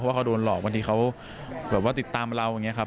ว่าเขาโดนหลอกบางทีเขาแบบว่าติดตามเราอย่างนี้ครับ